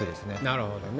なるほどね。